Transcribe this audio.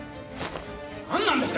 なんなんですか？